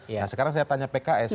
nah sekarang saya tanya pks